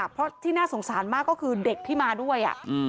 เพราะที่น่าสงสารมากก็คือเด็กที่มาด้วย